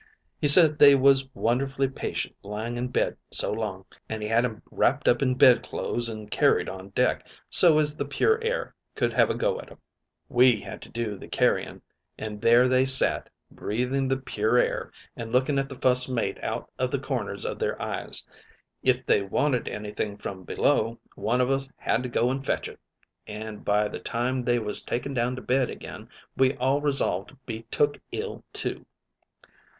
He said they was wonderfully patient lying in bed so long, an' he had 'em wrapped up in bed clo'es and carried on deck, so as the pure air could have a go at 'em. "We had to do the carrying, an' there they sat, breathing the pure air, and looking at the fust mate out of the corners of their eyes. If they wanted any thing from below, one of us had to go an' fetch it, an' by the time they was taken down to bed again, we all resolved to be took ill too.